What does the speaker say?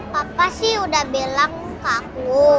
papa sih udah bilang ke aku